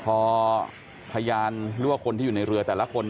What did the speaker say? พอพยานหรือว่าคนที่อยู่ในเรือแต่ละคน